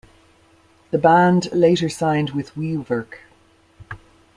The band later signed with Weewerk.